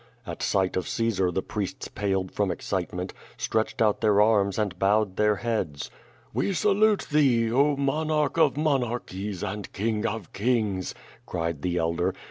At sight of Caosar the priests ])aled from excitement, stretched out their arms and bowed their heads. "We salute thee, oh, monarch of monarchies and king of kings!'' cried the elder.